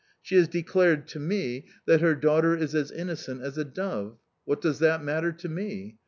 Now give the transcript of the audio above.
She has declared to me that her daughter is as innocent as a dove. What does that matter to me?...